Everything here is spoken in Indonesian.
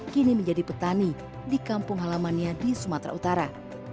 kini menjadi petani di kampung halamannya di sumatera utara